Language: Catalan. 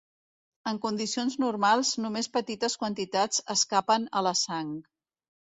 En condicions normals només petites quantitats escapen a la sang.